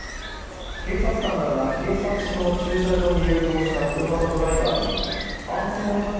警察官らが警察署の駐車場に誘導した車のドライバーに安全運転